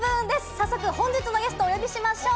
早速本日のゲストお呼びしましょう！